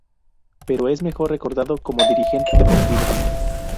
Pero es mejor recordado como dirigente deportivo.